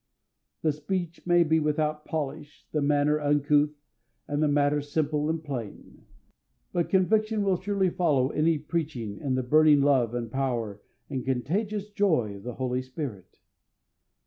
The speech may be without polish, the manner uncouth, and the matter simple and plain; but conviction will surely follow any preaching in the burning love and power and contagious joy of the Holy Spirit.